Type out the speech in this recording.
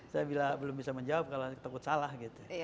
saya belum bisa menjawab kalau takut salah gitu